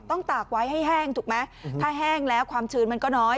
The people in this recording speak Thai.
ตากไว้ให้แห้งถูกไหมถ้าแห้งแล้วความชื้นมันก็น้อย